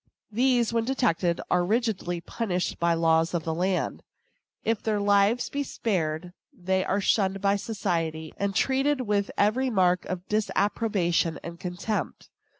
These, when detected, are rigidly punished by the laws of the land. If their lives be spared, they are shunned by society, and treated with every mark of disapprobation and contempt.